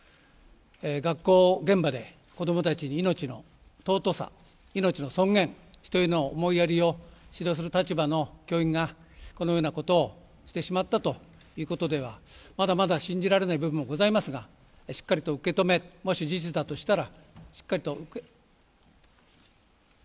学校現場で子供たちに、命の尊さ命の尊厳、人への思いやりを指導する立場の教員がこのようなことをしてしまったということはまだまだ信じられない部分もございますがしっかりと受け止めもし事実だとしたら。